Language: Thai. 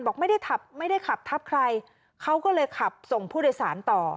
บอกไม่ได้ขับไม่ได้ขับทับใครเขาก็เลยขับส่งผู้โดยสารต่อ